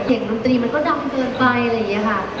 เครื่องโรงตีมันก็ดำเกินไปอะไรอย่างเงี้ยค่ะ